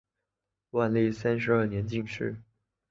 万历三十二年进士。